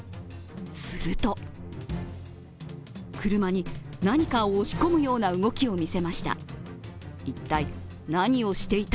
すると車に何かを押し込むような動きを見せました。